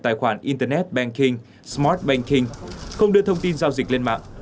tài khoản internet banking smart banking không đưa thông tin giao dịch lên mạng